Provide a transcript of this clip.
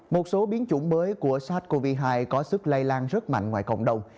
một số biến chủng mới của sars cov hai có sức lây lan rất mạnh ngoài cộng đồng